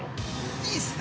◆いいっすね。